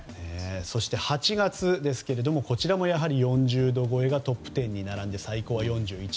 そして８月ですがこちらも４０度超えがトップ１０に並んで最高は４１．１度。